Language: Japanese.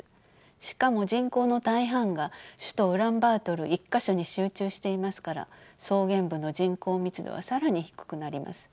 しかも人口の大半が首都ウランバートル一か所に集中していますから草原部の人口密度は更に低くなります。